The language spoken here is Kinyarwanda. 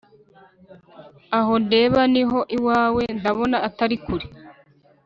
Aho ndeba niho iwawe ndabona atari kure